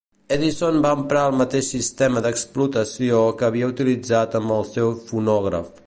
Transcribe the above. Edison va emprar el mateix sistema d'explotació que havia utilitzat amb el seu fonògraf.